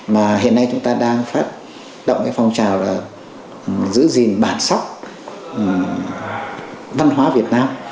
mà hiện nay chúng ta đang phát động cái phong trào là giữ gìn bản sắc văn hóa việt nam